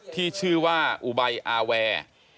ที่ชื่อว่าอุบัยอาแวร์